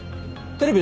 テレビ。